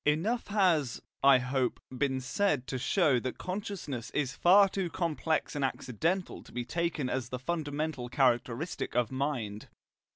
Enough has, I hope, been said to show that consciousness is far too complex and accidental to be taken as the fundamental characteristic of mind.